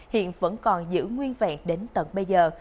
hiện vẫn còn giữ nguyên vẹn đến tận bây giờ